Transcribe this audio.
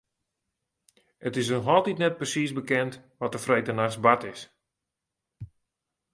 It is noch altyd net persiis bekend wat der dy freedtenachts bard is.